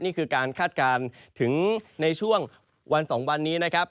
นี่คือการคาดการณ์ถึงในช่วงวัน๒วันนี้นะครับ